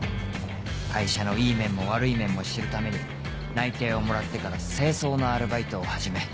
会社のいい面も悪い面も知るために内定をもらってから清掃のアルバイトを始め